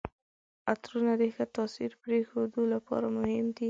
عطرونه د ښه تاثر پرېښودو لپاره مهم دي.